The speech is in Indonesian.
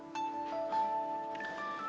dengan aku pulang aja